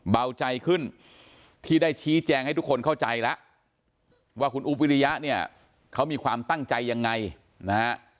เบาใจขึ้นที่ได้ชี้แจงให้ทุกคนเข้าใจแล้วว่าคุณอุ๊บวิริยะเนี่ยเขามีความตั้งใจยังไงนะฮะ